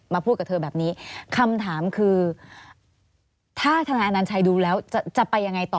พูดกับเธอแบบนี้คำถามคือถ้าธนายอนัญชัยดูแล้วจะไปยังไงต่อ